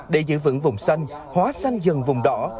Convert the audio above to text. để giữ vững vùng xanh hóa xanh dần vùng đỏ